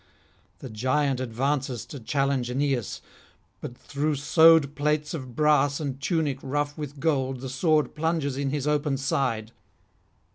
The giant advances to challenge Aeneas; but through sewed plates of brass and tunic rough with gold the sword plunges in his open side.